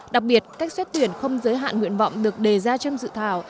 đặc biệt cách xét tuyển không giới hạn nguyện vọng được đề ra trong dự thảo